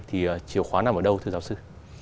thì chiều khóa nằm ở đâu thưa giáo sư